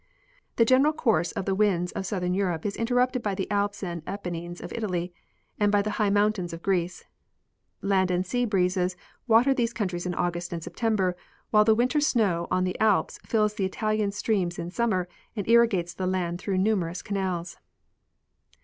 The general course of the winds of southern Europe is inter rupted by the Alps and Apennines in Italy, and by the high mountains in Greece. Land and sea breezes water these coun tries in August and September, while the winter snow on the Alps fills the Italian streams in summer and irrigates the land through numerous canals.